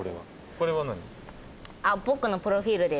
これは何？